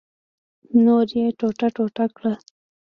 نور یې ټوټه ټوټه کړ.